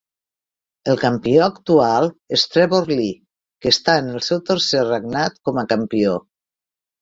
El campió actual és Trevor Lee, que està en el seu tercer regnat com a campió.